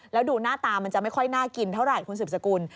แล้วดูหน้าตามันจะไม่ค่อยน่ากินเท่าไหร่คุณสืบสกุล